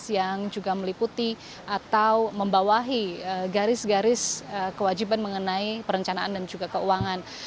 yang juga meliputi atau membawahi garis garis kewajiban mengenai perencanaan dan juga keuangan